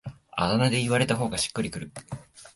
あだ名で言われた方がしっくりくる